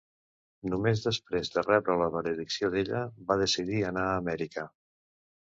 Només després de rebre la benedicció d'ella, va decidir anar a Amèrica.